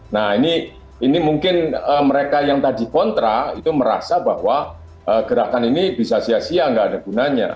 nah ini mungkin mereka yang tadi kontra itu merasa bahwa gerakan ini bisa sia sia nggak ada gunanya